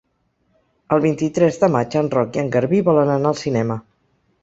El vint-i-tres de maig en Roc i en Garbí volen anar al cinema.